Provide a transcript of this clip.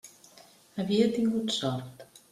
Havia tingut sort.